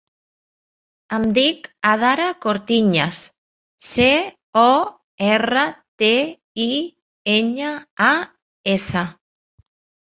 Em dic Adhara Cortiñas: ce, o, erra, te, i, enya, a, essa.